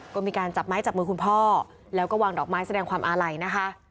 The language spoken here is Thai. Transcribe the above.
ก็มีการจับไม้จับมือคุณพ่อแล้วก็วางดอกไม้แสดงความอาลัยนะคะ